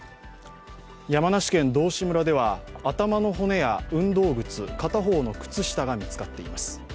山梨県道志村では頭の骨や運動靴、片方の靴下が見つかっています。